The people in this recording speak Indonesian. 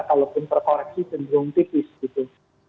kalau pun terkoreksi tendong tipis gitu